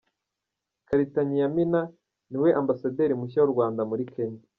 Karitanyi Yamina ni we ambasaderi mushya w’u Rwanda muri Kenya